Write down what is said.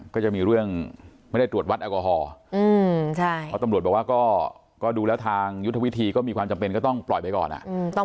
ก็จะมีเรื่องไม่ได้ตรวจวัดแอลกอฮอล์เพราะตำรวจบอกว่าก็ดูแล้วทางยุทธวิธีก็มีความจำเป็นก็ต้องปล่อยไปก่อน